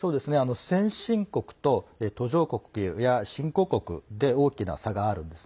先進国と途上国や新興国で大きな差があるんです。